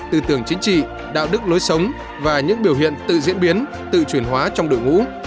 tư tưởng chính trị đạo đức lối sống và những biểu hiện tự diễn biến tự chuyển hóa trong đội ngũ